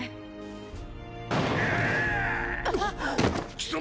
貴様！